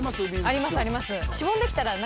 ありますあります。